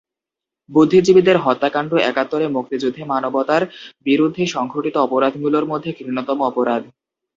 বুদ্ধিজীবীদের হত্যাকাণ্ড একাত্তরে মুক্তিযুদ্ধে মানবতার বিরুদ্ধে সংঘটিত অপরাধগুলোর মধ্যে ঘৃণ্যতম অপরাধ।